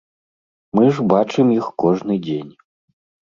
Мы ж бачым іх кожны дзень.